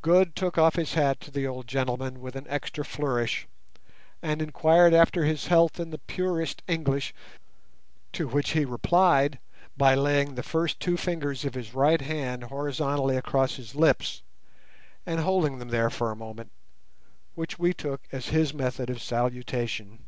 Good took off his hat to the old gentleman with an extra flourish, and inquired after his health in the purest English, to which he replied by laying the first two fingers of his right hand horizontally across his lips and holding them there for a moment, which we took as his method of salutation.